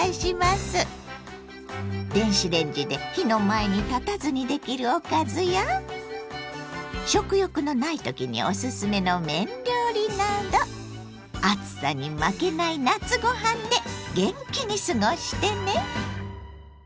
電子レンジで火の前に立たずにできるおかずや食欲のない時におすすめの麺料理など暑さに負けない夏ご飯で元気に過ごしてね！